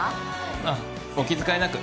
あっお気遣いなく。